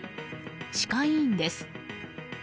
歯科医院です。